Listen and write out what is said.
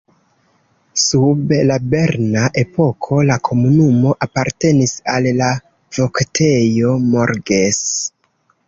Sub la berna epoko la komunumo apartenis al la Voktejo Morges.